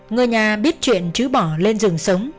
người nhà biết chuyện chứ bỏ lên rừng sống